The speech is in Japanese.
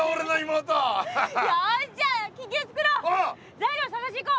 材料探しにいこう！